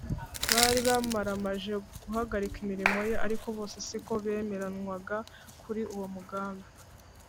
Bari bamaramaje guhagarika imirimo ye. Ariko bose siko bemeranywaga kuri uwo mugambi